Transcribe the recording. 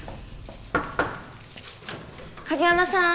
梶山さん？